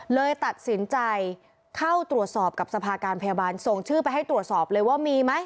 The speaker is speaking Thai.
เลยตัดสินใจเข้าตรวจสอบกับสภาการพยาบาลส่งชื่อไปให้ตรวจสอบเลยว่ามีไหม